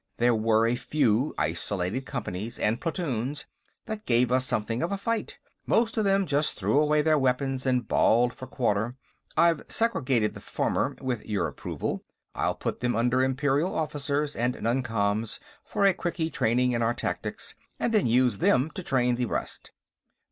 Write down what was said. There were a few isolated companies and platoons that gave us something of a fight; most of them just threw away their weapons and bawled for quarter. I've segregated the former; with your approval, I'll put them under Imperial officers and noncoms for a quickie training in our tactics, and then use them to train the rest."